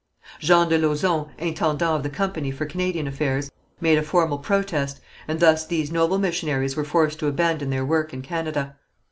Jean de Lauzon, intendant of the company for Canadian affairs, made a formal protest, and thus these noble missionaries were forced to abandon their work in Canada.